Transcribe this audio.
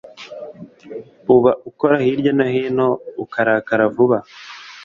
Uba ukora hirya no hino, ukarakara vuba,